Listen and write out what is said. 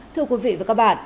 thưa quý vị và các bạn